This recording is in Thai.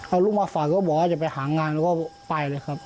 เอาลูกมาฝากก็บอกว่าจะไปหางานแล้วก็ไปเลยครับ